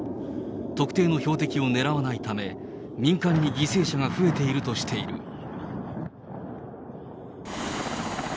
特定の標的を狙わないため、民間に犠牲者が増えているとしている。